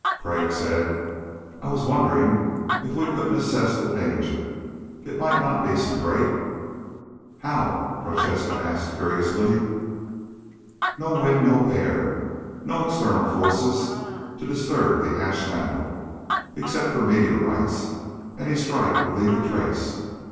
Crag said, "I was wondering if we couldn't assess the danger. It might not be so great...." "How?" Prochaska asked curiously. "No wind, no air, no external forces to disturb the ash mantle, except for meteorites. Any strike would leave a trace.